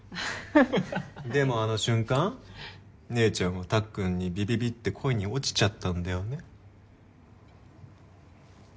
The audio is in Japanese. でもあの瞬間姉ちゃんはたっくんにビビビッて恋に落ちちゃったんだよね。